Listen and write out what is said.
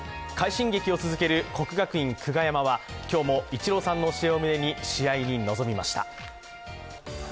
快進撃を続ける国学院久我山は、今日もイチローさんの教えを胸に試合に臨みました。